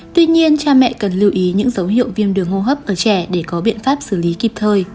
tuy nhiên cha mẹ cần lưu ý những dấu hiệu viêm đường hô hấp ở trẻ để có biện pháp xử lý kịp thời